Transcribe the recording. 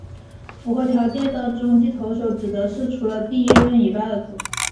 符合条件的中继投手指的是除了第一任以外的投手。